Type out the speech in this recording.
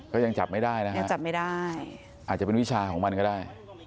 เขายังจับไม่ได้นะครับอาจจะเป็นวิชาของมันก็ได้